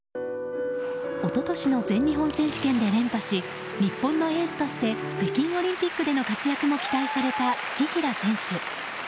一昨年の全日本選手権で連覇し日本のエースとして北京オリンピックでの活躍も期待された紀平選手。